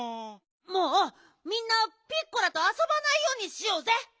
もうみんなピッコラとあそばないようにしようぜ。